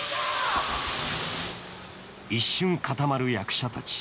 一瞬固まる役者たち。